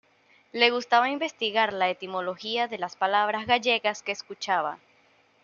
Le gustaba investigar la etimología de las palabras gallegas que escuchaba.